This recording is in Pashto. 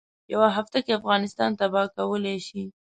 یوه هفته کې افغانستان تباه کولای شي.